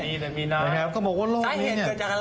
มีแต่มีน้อยซ้ายเหตุเกิดจากอะไรล่ะ